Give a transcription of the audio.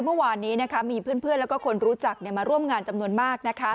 เมื่อวานนี้มีเพื่อนและคนรู้จักมาร่วมงานจำนวนมาก